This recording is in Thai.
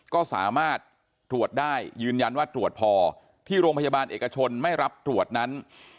ก็สามารถตรวจได้ยืนยันว่าตรวจพอที่โรงพยาบาลเอกชนไม่รับตรวจนั้น